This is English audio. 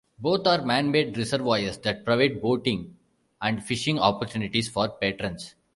Both are manmade reservoirs that provide boating and fishing opportunities for patrons.